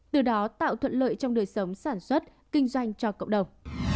từ đó tạo thuận lợi trong đời sống sản xuất kinh doanh cho cộng đồng